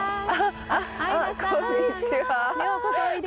こんにちは。